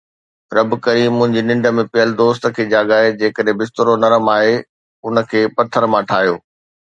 رب ڪريم منهنجي ننڊ ۾ پيل دوست کي جاڳائي. جيڪڏهن بسترو نرم آهي، ان کي پٿر مان ٺاهيو